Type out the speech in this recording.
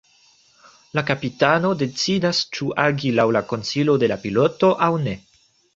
La kapitano decidas ĉu agi laŭ la konsilo de la piloto aŭ ne.